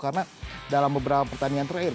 karena dalam beberapa pertandingan terakhir